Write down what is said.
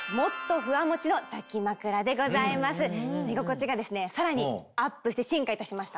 寝心地がさらにアップして進化いたしました。